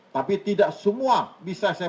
tapi tidak semua bisa saya